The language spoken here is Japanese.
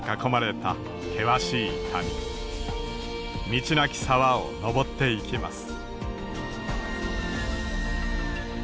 道なき沢を登っていきます。